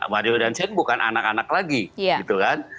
mario dan shane bukan anak anak lagi gitu kan